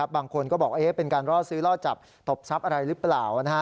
บางคนก็บอกเป็นการล่อซื้อล่อจับตบทรัพย์อะไรหรือเปล่า